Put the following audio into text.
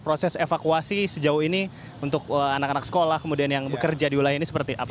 proses evakuasi sejauh ini untuk anak anak sekolah kemudian yang bekerja di wilayah ini seperti apa